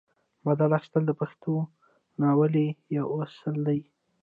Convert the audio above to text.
بدل اخیستل د پښتونولۍ یو اصل دی.